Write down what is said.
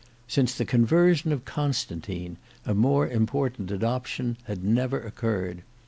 Since the conversion of Constantine, a more important adoption had never occurred.